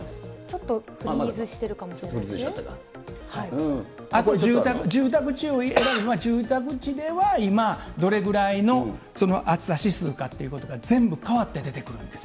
ちょっとフリーズしてるかもこれ、住宅地を選べば住宅地では今、どれぐらいの暑さ指数かということが全部変わって出てくるんです。